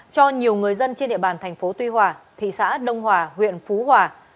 cho nhiều người dân trên địa bàn tp tuy hòa thị xã đông hòa huyện phú hòa